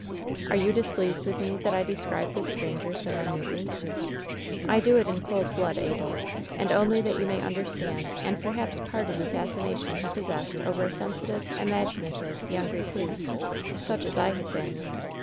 "Are you displeased with me, that I describe this stranger so minutely ? "I do it in cold blood, Abel, and only that you m ay understand and perhaps pardon the fascination he pos sessed over a sensitive, imaginative young recluse, such as I had been.